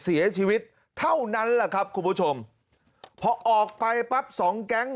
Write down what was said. เสียชีวิตเท่านั้นแหละครับคุณผู้ชมพอออกไปปั๊บสองแก๊ง